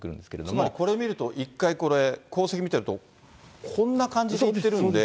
つまりこれを見ると、一回これ、航跡見てると、こんな感じで行ってるんで。